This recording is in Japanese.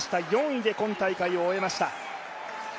４位で今大会を終えました。